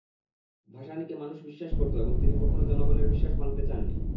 ভাসানীকে মানুষ বিশ্বাস করত এবং তিনি কখনো জনগণের বিশ্বাস ভাঙতে চাননি।